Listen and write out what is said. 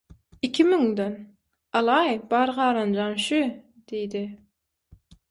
– Iki müňden. Alaý, bar galanjam şü – diýdi.